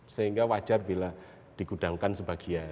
sehingga wajar bila dikudangkan sebagian